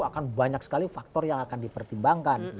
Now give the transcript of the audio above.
akan banyak sekali faktor yang akan dipertimbangkan